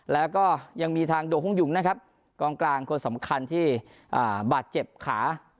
แล้วก็ยังมีทางโดหุ้งยุงนะครับกองกลางคนสำคัญที่บาดเจ็บขา